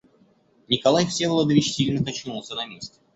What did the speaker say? Николай Всеволодович сильно качнулся на месте.